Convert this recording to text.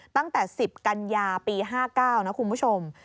ตั้งแต่๑๐กันยาปี๕๙นะคุณผู้ชม